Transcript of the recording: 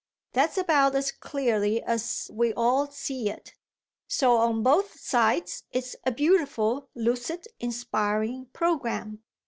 That's about as clearly as we all see it. So on both sides it's a beautiful, lucid, inspiring programme."